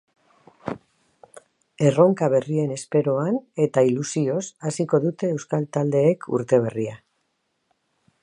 Erronka berrien esperoan eta ilusioz hasiko dute euskal taldeek urte berria.